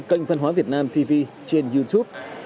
kênh phân hóa việt nam tv trên youtube